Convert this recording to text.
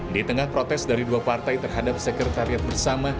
di tengah protes dari dua partai terhadap sekretariat bersama